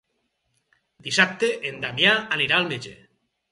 Dissabte en Damià anirà al metge.